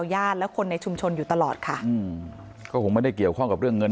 ญาติและคนในชุมชนอยู่ตลอดค่ะอืมก็คงไม่ได้เกี่ยวข้องกับเรื่องเงิน